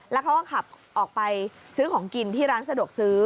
แล้วเขาก็ขับออกไปซื้อของกินที่ร้านสะดวกซื้อ